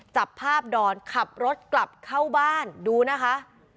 จับภาพดอนขับรถกลับเข้าบ้านดูนะคะ